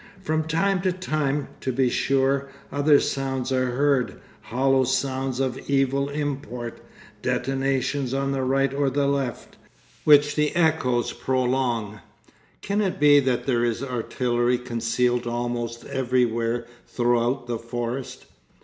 From time to time, to be sure, other sounds are heard, hollow sounds of evil import, detonations on the right or the left, which the echoes prolong. Can it be that there is artillery concealed almost everywhere throughout the forest?